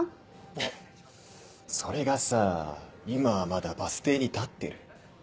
ハハそれがさ今はまだバス停に立ってる。